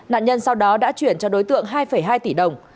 nạn nhân sau đó đã chuyển cho đối tượng hai hai tỷ đồng